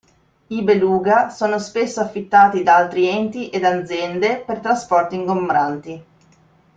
I Beluga sono spesso affittati da altri enti e aziende per trasporti ingombranti.